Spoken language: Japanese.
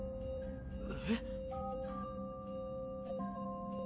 えっ？